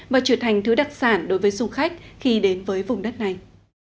và trở thành thứ đặc sản đối với du khách khi đến với vùng đất này